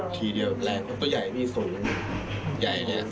เข้ามาแล้วก็มาทุ่มวังแทงเราเลยเหรอ